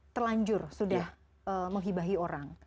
terlanjur sudah menghibahi orang